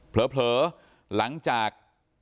เผลอหลังจาก